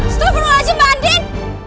stop dulu aja mbak andin